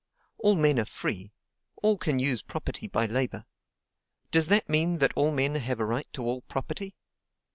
All men are free; all can use property by labor. Does that mean that all men have a right to all property?